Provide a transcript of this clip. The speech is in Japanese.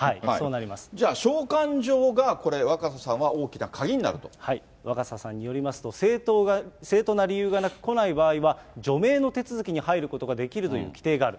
じゃあ、召喚状がこれ、若狭若狭さんによりますと、正当な理由がなく来ない場合は、除名の手続きに入ることができるという規定がある。